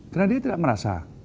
karena dia tidak merasa